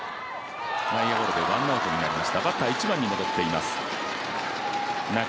内野ゴロでワンアウトになります。